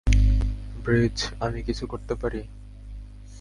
ব্রেয, আমি কিছু করতে পারি?